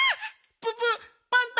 ププッパンタ！